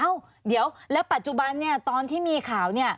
อ้าวเดี๋ยวแล้วปัจจุบันตอนที่มีข่าว